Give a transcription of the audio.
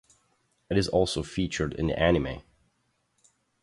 It is also featured in the anime.